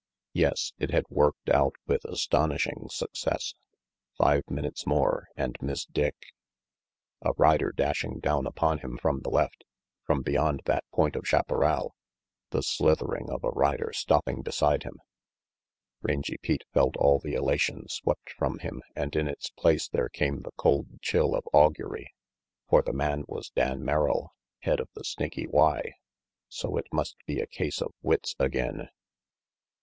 Yes, it had worked out with astonishing success. Five minutes more, and Miss Dick A rider dashing down upon him from the left, from beyond that point of chaparral! The slithering of a rider stopping beside him! Rangy Pete felt all the elation swept from him and in its place there came the cold chill of augury. For the man was Dan Merrill, head of the Snaky Y. So it must be a case of wits again.